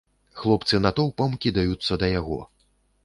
Хлопцы натоўпам кідаюцца да яго.